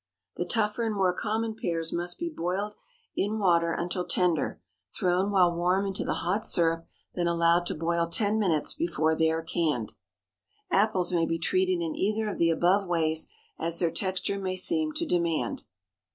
The tougher and more common pears must be boiled in water until tender; thrown while warm into the hot syrup, then allowed to boil ten minutes before they are canned. Apples may be treated in either of the above ways as their texture may seem to demand.